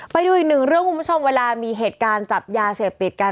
ไปดูอีกหนึ่งเรื่องคุณผู้ชมเวลามีเหตุการณ์จับยาเสพติดกัน